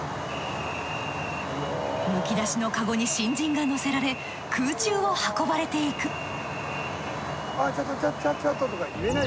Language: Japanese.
むき出しのかごに新人が乗せられ空中を運ばれていく。